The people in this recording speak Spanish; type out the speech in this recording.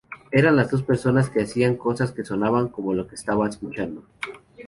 Eran las dos personas que hacían cosas que sonaban como lo que estaba escuchando.